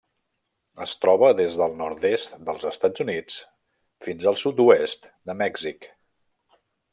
Es troba des del nord-est dels Estats Units fins al sud-oest de Mèxic.